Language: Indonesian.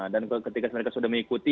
dan ketika sudah mengikuti